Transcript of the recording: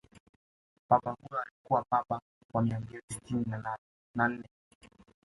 papa huyo alikuwa papa wa mia mbili sitini na nne